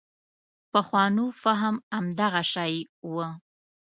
پخوانو فهم همدغه شی و.